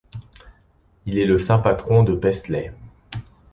Il est le saint patron de Paisley.